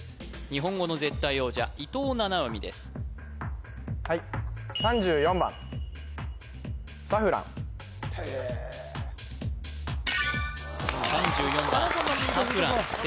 日本語の絶対王者伊藤七海ですはいへえ３４番サフラン正解です